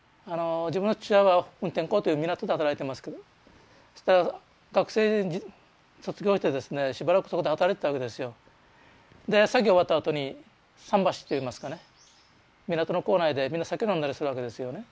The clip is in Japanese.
自分の父親は運天港という港で働いてますけど学生卒業してですねしばらくそこで働いてたわけですよ。で作業終わったあとに桟橋っていいますかね港の構内でみんな酒飲んだりするわけですよね。